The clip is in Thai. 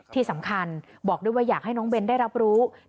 ที่สำคัญบอกด้วยว่าอยากให้น้องเบนได้รับรู้